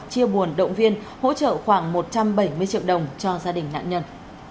chia buồn động viên hỗ trợ khoảng một trăm bảy mươi triệu đồng cho gia đình nạn nhân